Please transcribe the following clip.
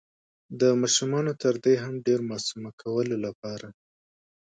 د ماشومانو تر دې هم ډير معصومه کولو لپاره